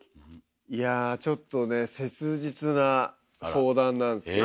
いやちょっとね切実な相談なんすけど。